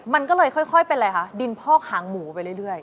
มันก็เลยค่อยเป็นอะไรคะดินพอกหางหมูไปเรื่อย